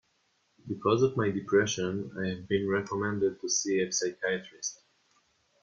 Because of my depression, I have been recommended to see a psychiatrist.